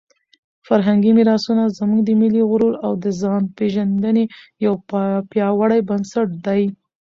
فرهنګي میراثونه زموږ د ملي غرور او د ځانپېژندنې یو پیاوړی بنسټ دی.